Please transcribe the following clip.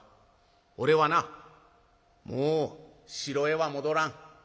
俺はなもう城へは戻らん。